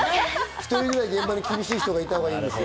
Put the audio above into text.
１人ぐらい現場に厳しい人がいたほうがいいですよ。